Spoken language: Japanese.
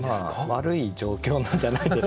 悪い状況なんじゃないですか？